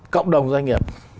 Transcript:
cộng đồng doanh nghiệp